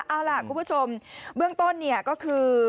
เอาล่ะคุณผู้ชมเบื้องต้นเนี่ยก็คือ